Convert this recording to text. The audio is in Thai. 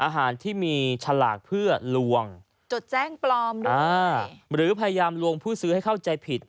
อาหารที่มีฉลากเพื่อลวงหรือพยามลวงผู้ซื้อให้เข้าใจผิด